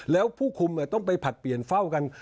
แล้วผู้คุมต้องไปผลัดเปลี่ยนเฝ้ากัน